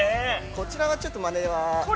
◆こちらは、ちょっとまねは？